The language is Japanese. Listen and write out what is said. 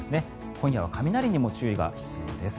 今夜は雷にも注意が必要です。